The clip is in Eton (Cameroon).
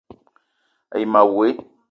A yi ma woe :